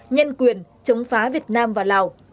nhân quyền chống phá việt nam và lào